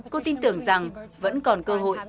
cô tin tưởng rằng vẫn còn cơ hội